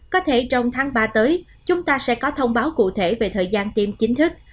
có thể trong tháng ba tới chúng ta sẽ có thông báo cụ thể về thời gian tiêm chính thức